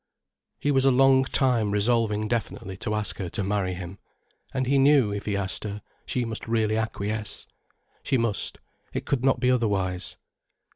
He was a long time resolving definitely to ask her to marry him. And he knew, if he asked her, she must really acquiesce. She must, it could not be otherwise.